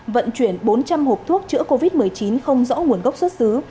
vận chuyển bốn trăm linh hộp thuốc chữa covid một mươi chín không rõ nguồn gốc xuất xứ